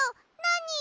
なに？